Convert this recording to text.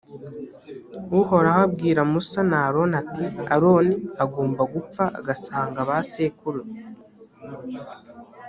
uhoraho abwira musa na aroni, ati aroni agomba gupfa agasanga ba sekuru.